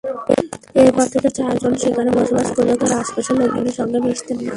এরপর থেকে চারজন সেখানে বসবাস করলেও তাঁরা আশপাশের লোকজনের সঙ্গে মিশতেন না।